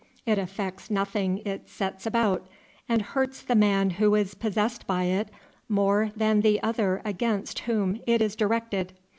It affects nothing it sets about, and hurts the man who is possessed by it more than the other against whom it is directed.